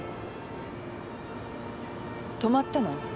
泊まったの？